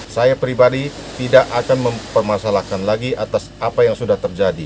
saya pribadi tidak akan mempermasalahkan lagi atas apa yang sudah terjadi